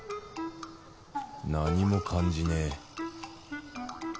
何も感じねえ